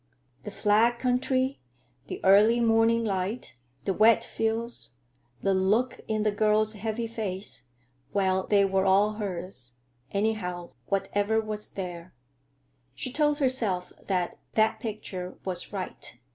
The flat country, the early morning light, the wet fields, the look in the girl's heavy face—well, they were all hers, anyhow, whatever was there. She told herself that that picture was "right."